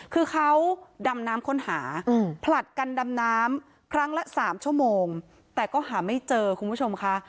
คือเขาดำน้ำค้นหาผลัดกันดำน้ำครั้งละ๓ชั่วโมงแต่ก็หาไม่เจอคุณผู้ชมค่ะ